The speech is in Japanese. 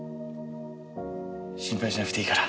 心配しなくていいから。